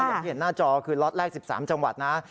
อย่างที่เห็นหน้าจอคือล็อตแรก๑๓จังหวัดนะ